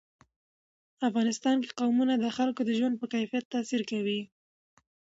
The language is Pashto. افغانستان کې قومونه د خلکو د ژوند په کیفیت تاثیر کوي.